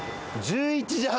１１時半！？